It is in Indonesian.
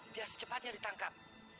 dia secepatnya ditangkap